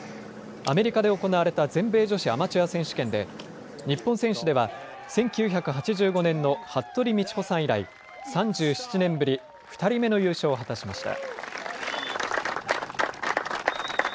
アメリカで行われた全米女子アマチュア選手権で日本選手では１９８５年の服部道子さん以来３７年ぶり２人目の優勝を果たしました。